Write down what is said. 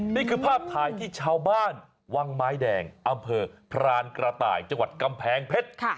นี่คือภาพถ่ายที่ชาวบ้านวังไม้แดงอำเภอพรานกระต่ายจังหวัดกำแพงเพชร